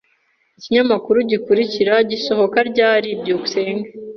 Ikinyamakuru gikurikira gisohoka ryari? byukusenge